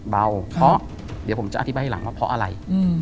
เบาเพราะเดี๋ยวผมจะอธิบายให้หลังว่าเพราะอะไร